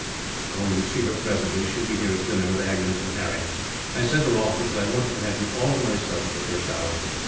"You will see her presently. She will be here to dinner, with Agnes and Harry. I sent her off, because I wanted to have you all to myself, for the first hour.